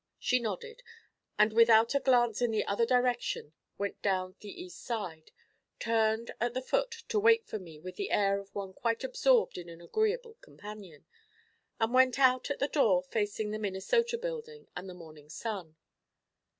She nodded, and without a glance in the other direction went down the east side, turned at the foot to wait for me with the air of one quite absorbed in an agreeable companion, and we went out at the door facing the Minnesota Building and the morning sun.